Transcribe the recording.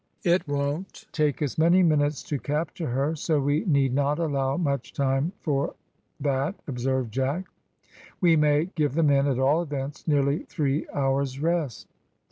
"It won't take us many minutes to capture her, so we need not allow much time for that," observed Jack. "We may give the men, at all events, nearly three hours' rest."